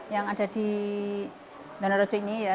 yang ada di dona rodo ini ya